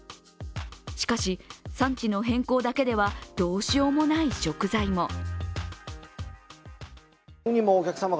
しかし、産地の変更だけではどうしようもない食材も。